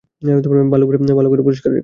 ভালো করে পরিষ্কার করো!